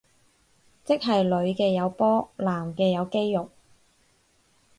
即係女嘅有波男嘅有肌肉